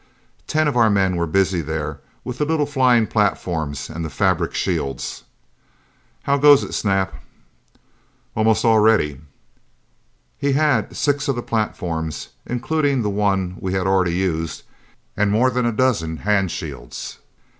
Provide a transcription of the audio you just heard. Ten of our men were busy there with the little flying platforms and the fabric shields. "How goes it, Snap?" "Almost all ready." He had six of the platforms, including the one we had already used, and more than a dozen hand shields.